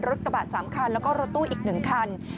รถกระบะ๓คันแล้วก็รถตู้อีก๑คัน